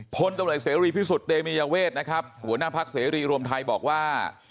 พลตำรวจเสรีพิสุทธิ์เตมียเวทนะครับหัวหน้าพักเสรีรวมไทยบอกว่า